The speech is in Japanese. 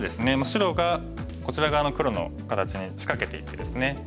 白がこちら側の黒の形に仕掛けていってですね